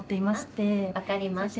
分かりました。